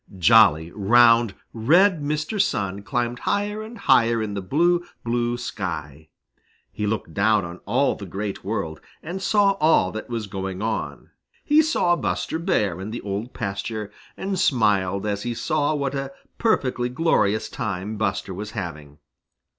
Jolly, round, red Mr. Sun climbed higher and higher in the blue, blue sky. He looked down on all the Great World and saw all that was going on. He saw Buster Bear in the Old Pasture, and smiled as he saw what a perfectly glorious time Buster was having.